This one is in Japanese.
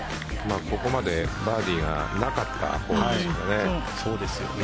ここまでバーディーがなかったホールですからね。